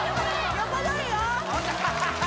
横取るよ